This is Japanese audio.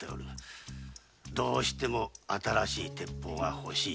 どうしても新しい鉄砲が欲しいのだ。